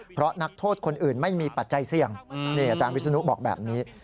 เพราะนักโทษคนอื่นไม่มีปัจจัยเสี่ยงนี่อาจารย์วิศนุบอกแบบนี้